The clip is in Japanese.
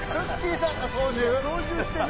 さんが操縦？